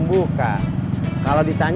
kamu juga harus tahu siapa yang diundang